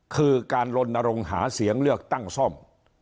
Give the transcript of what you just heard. คือการลนรงค์หาเสียงเลือกตั้งซ่อม